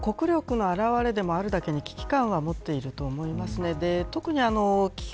そこら辺は政府は国力の表れでもあるだけに危機感を持っていると思います。